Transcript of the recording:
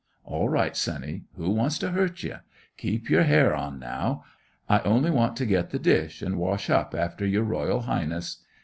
"All right, sonny; who wants to hurt ye? Keep your hair on now, do. I only want to get the dish, an' wash up after your royal highness.